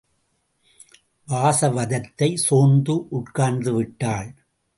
வாசவதத்தை சோர்ந்து உட்கார்ந்துவிட்டாள்.